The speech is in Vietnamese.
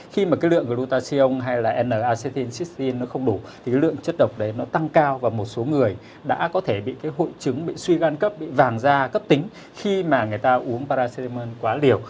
khi mà cái lượng glutathione hay là n acetylcysteine nó không đủ thì lượng chất độc đấy nó tăng cao và một số người đã có thể bị cái hội chứng bị suy gan cấp bị vàng da cấp tính khi mà người ta uống paracetamol quá liều